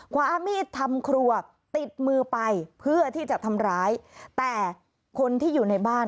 ความมีดทำครัวติดมือไปเพื่อที่จะทำร้ายแต่คนที่อยู่ในบ้าน